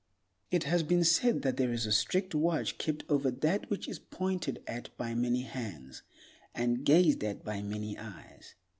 "It has been said that there is a strict watch kept over that which is pointed at by many hands, and gazed at by many eyes.